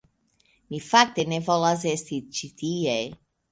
Mi fakte ne volas esti ĉi tie.